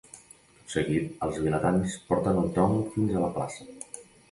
Tot seguit, els vilatans porten el tronc fins a la plaça.